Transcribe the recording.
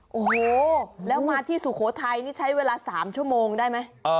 โอ้โหแล้วมาที่สุโขทัยนี่ใช้เวลา๓ชั่วโมงได้ไหม